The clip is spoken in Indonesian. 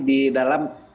di dalam sektor keamanan